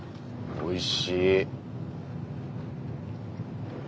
おいしい。